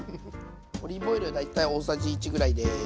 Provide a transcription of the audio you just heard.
オリーブオイル大体大さじ１ぐらいです。